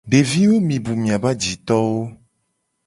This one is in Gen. Deviwo mi bu miabe ajitowo.